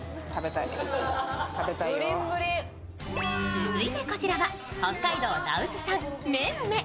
続いてこちらは、北海道羅臼産、めんめ。